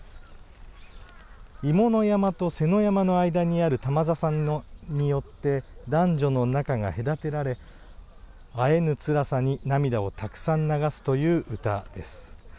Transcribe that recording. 妹山と背山の間にある玉笹によって男女の仲が隔てられ会えぬつらさに涙をたくさん流すという歌です。